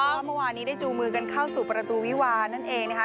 เมื่อวานนี้ได้จูงมือกันเข้าสู่ประตูวิวานั่นเองนะคะ